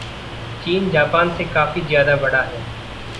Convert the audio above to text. चीन जापान से काफ़ी ज़्यादा बड़ा है।